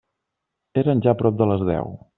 Eren ja prop de les deu.